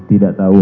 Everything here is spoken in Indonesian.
tidak tahu ya